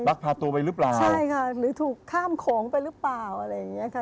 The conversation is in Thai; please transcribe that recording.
ใช่ค่ะหรือถูกข้ามโขงไปหรือเปล่าอะไรอย่างนี้ค่ะ